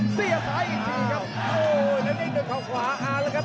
เสียสายอีกทีครับโอ้ยแล้วนี่คือข้าวขวา